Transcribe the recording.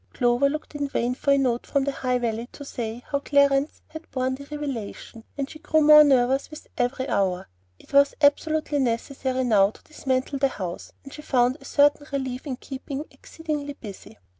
Clover looked in vain for a note from the High Valley to say how Clarence had borne the revelation; and she grew more nervous with every hour. It was absolutely necessary now to dismantle the house, and she found a certain relief in keeping exceedingly busy.